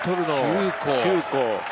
９個。